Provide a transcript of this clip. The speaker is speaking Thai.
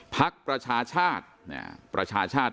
พักประชาชาติ